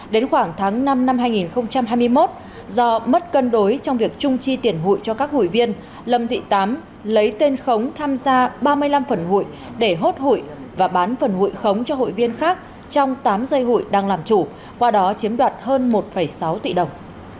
đến khoảng tháng năm năm hai nghìn hai mươi một do mất cân đối trong việc trung chi tiền hụi cho các hụi viên lâm thị tám lấy tên khống tham gia ba mươi năm phần hụi để hốt hụi và bán phần hụi khống cho hụi viên khác trong tám dây hụi đang làm chủ qua đó chiếm đoạt hơn một sáu tỷ đồng